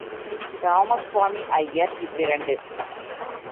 ராமஸ்வாமி ஐயர் இவ்விரண்டு.